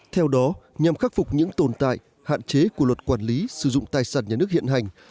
theo đó nhằm khắc phục những tồn tại hạn chế của luật quản lý sử dụng tài sản nhà nước hiện hành